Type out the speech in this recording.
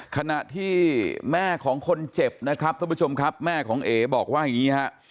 ขณะที่แม่ของคนเจ็บนะครับท่านผู้ชมครับแม่ของเอ๋บอกว่าอย่างนี้ฮะ